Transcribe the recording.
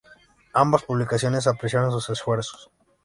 Ambas publicaciones apreciaron sus esfuerzos.